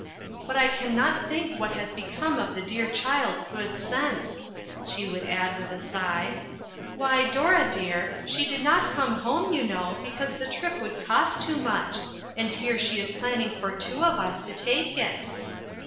" But I can not think what has become of the dear child's good sense," she would INTERRUPTED. add, with a sigh. " Why, Dora dear, she did not come home, you know, because the trip would cost so much, and here she is planning for two of us to take it."